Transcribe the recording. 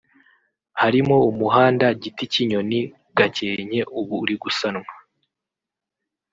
Harimo umuhanda Giti cy’inyoni – Gakenke ubu uri gusanwa